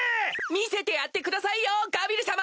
見せてやってくださいよガビル様！